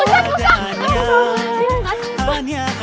tuhan tuhan tuhan